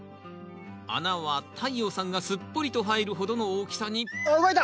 穴は太陽さんがすっぽりと入るほどの大きさにあっ動いた！